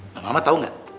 nah mama tau gak